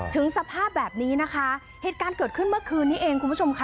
สภาพแบบนี้นะคะเหตุการณ์เกิดขึ้นเมื่อคืนนี้เองคุณผู้ชมค่ะ